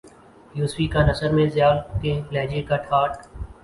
یوسفی کی نثر میں ضیاء کے لہجے کا ٹھاٹ